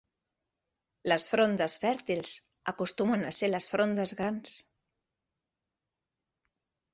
Les frondes fèrtils acostumen a ser les frondes grans.